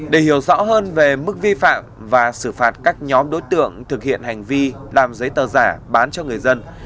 để hiểu rõ hơn về mức vi phạm và xử phạt các nhóm đối tượng thực hiện hành vi làm giấy tờ giả bán cho người dân